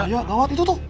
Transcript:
ayah ngawat itu tuh